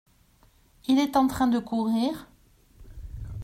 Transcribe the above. Il est en train de courir ?